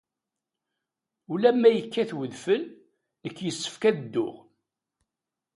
Ula ma yekkat wedfel, nekk yessefk ad dduɣ.